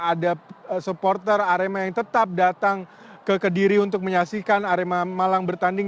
ada supporter arema yang tetap datang ke kediri untuk menyaksikan arema malang bertanding